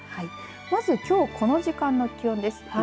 まず、きょうこの時間の気温です。